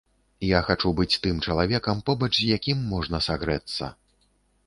Я хачу быць тым чалавекам, побач з якім можна сагрэцца.